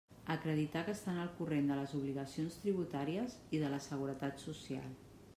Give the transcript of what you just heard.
Acreditar que estan al corrent de les obligacions tributàries i de la Seguretat Social.